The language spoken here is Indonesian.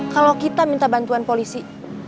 kalau kita minta bantuan polisi